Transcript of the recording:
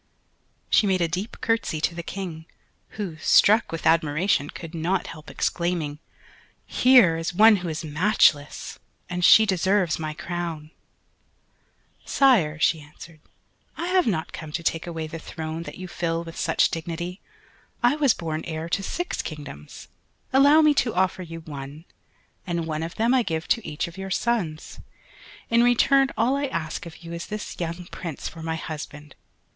She made a deep curtsey to the King who, struck with admiration, could not help exclaiming, "Here is one who is matchless, and she deserves my crown." "Sire," she answered, "I have not come to take away the throne that you fill with such dignity; I was born heir to six kingdoms, allow me to offer you one, and one of them I give to each of your sons. In return all I ask of you is this young Prince for my husband.